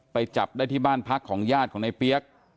จับได้ที่บ้านพักของญาติของในเปี๊ยก